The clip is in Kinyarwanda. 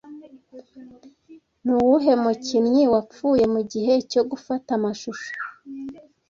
Ni uwuhe mukinnyi wapfuye mugihe cyo gufata amashusho